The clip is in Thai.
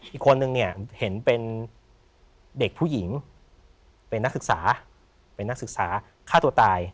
อีกคนนึงเนี่ยเห็นเป็นเด็กผู้หญิงเป็นนักศึกษาเป็นนักศึกษาฆ่าตัวตาย